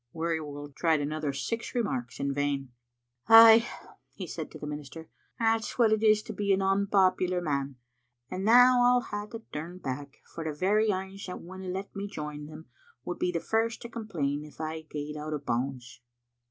Wearyworld tried another six remarks in vain. "Ay," he said to the minister, "that's what it is to be an onpopular man. And now I'll hae to turn back, for the very anes that winna let me join them would be the first to complain if I gaed out o' bounds."